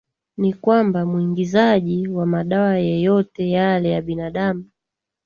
ni kwamba mwingizaji wa madawa yeyote yale ya binadamu